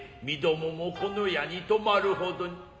身どももこの家に泊まるほどに。